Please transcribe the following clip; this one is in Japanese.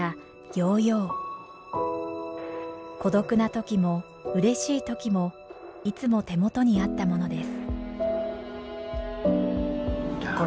孤独な時もうれしい時もいつも手元にあったものです。